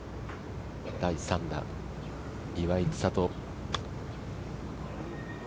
第３打、岩井千怜。